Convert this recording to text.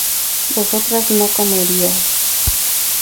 vosotras no comeríais